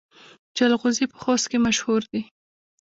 جلغوزي په خوست کې مشهور دي